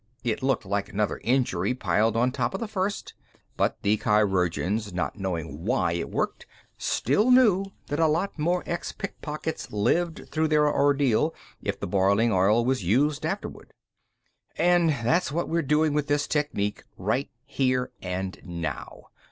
It looked like another injury piled on top of the first, but the chirurgeons, not knowing why it worked, still knew that a lot more ex pickpockets lived through their ordeal if the boiling oil was used afterward. "And that's what we're doing with this technique right here and now.